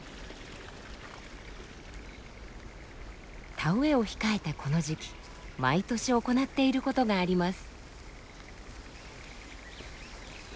田植えを控えたこの時期毎年行っている事があります。